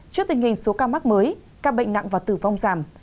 trước tình hình số ca mắc mới ca bệnh nặng và tử vong giảm